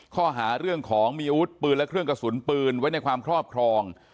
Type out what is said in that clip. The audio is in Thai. ข้อหาเรื่องของมีอาวุธปืนและเครื่องกระสุนปืนไว้ในความครอบครอง